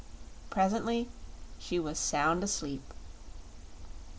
Presently she was sound asleep.